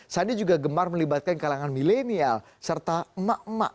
sandi juga gemar melibatkan kalangan milenial serta emak emak